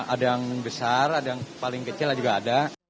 ada yang besar ada yang paling kecil juga ada